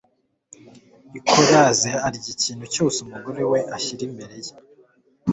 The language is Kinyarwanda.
Ikoraze arya ikintu cyose umugore we ashyira imbere ye.